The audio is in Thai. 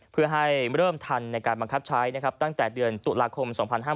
เพื่อให้เริ่มทันในการบังคับใช้นะครับตั้งแต่เดือนตุลาคม๒๕๕๙